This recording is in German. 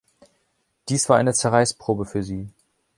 Dies war eine Zerreißprobe für Sie.